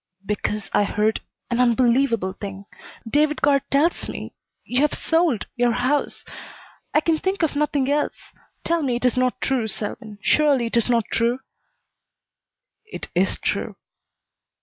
"Because I heard an unbelievable thing. David Guard tells me you have sold your house. I can think of nothing else. Tell me it is not true, Selwyn! Surely it is not true!" "It is true."